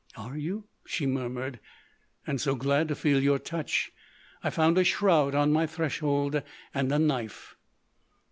"Are you?" she murmured. "And so glad to feel your touch.... I found a shroud on my threshold. And a knife."